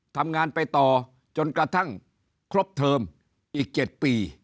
ทำงานไปต่อจนกระทั่งครบเทอมอีก๗ปี